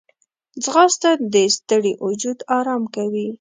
ځغاسته د ستړي وجود آرام کوي